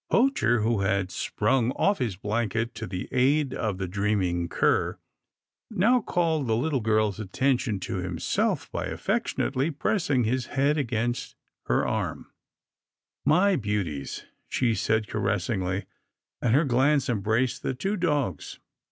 Poacher, who had sprung off his blanket to the aid of the dreaming cur, now called the little girl's attention to himself by affectionately pressing his head against her arm. 28 'TILDA JANE'S ORPHANS " My beauties !" she said caressingly, and her glance embraced the two dogs.